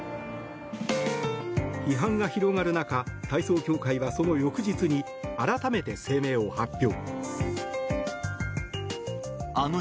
批判が広がる中体操協会はその翌日に改めて声明を発表。